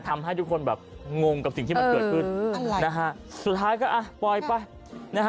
ทำให้ทุกคนแบบงงกับสิ่งที่มันเกิดขึ้นสุดท้ายก็อ่ะปล่อยไป